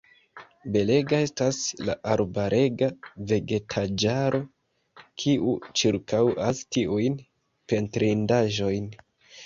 Belega estas la arbarega vegetaĵaro, kiu ĉirkaŭas tiujn pentrindaĵojn.